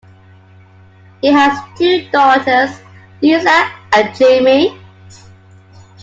He has two daughters, Lisa and Jamie.